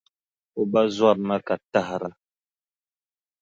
O ba zɔrina ka tahira.